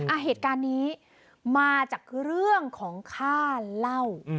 อ่ะเหตุการณ์นี้มาจากคือเรื่องของค่าเหล้า